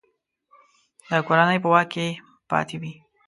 د کورنۍ په واک کې پاته وي.